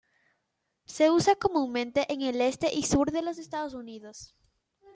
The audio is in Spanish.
Se usa comúnmente en el este y sur de los Estados Unidos.